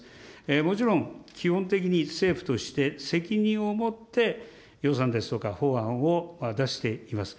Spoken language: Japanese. もちろん基本的に政府として責任を持って予算ですとか、法案を出しています。